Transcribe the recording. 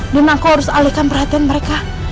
dan aku harus alihkan perhatian mereka